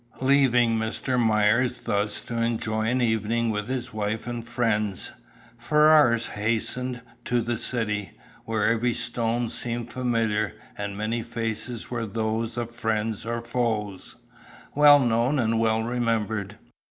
Leaving Mr. Myers thus to enjoy an evening with his wife and friends, Ferrars hastened to "the city," where every stone seemed familiar, and many faces were those of friends or foes, well known and well remembered.